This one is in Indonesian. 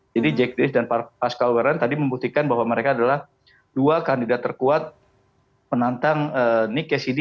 jadi jack dennis dan pascal werland tadi membuktikan bahwa mereka adalah dua kandidat terkuat penantang nick cassidy